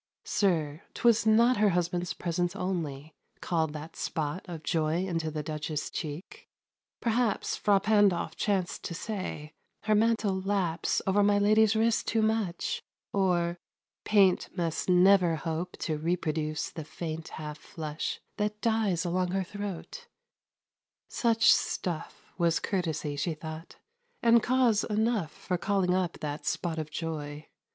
Sir, 'twas not Her husband's presence only, called that spot Of joy into the Duchess' cheek: perhaps Fra Pandolf chanced to say "Her mantle laps Over my lady's wrist too much," or "Paint Must never hope to reproduce the faint Half flush that dies along her throat"; such stuff Was courtesy, she thought, and cause enough 20 For calling up that spot of joy.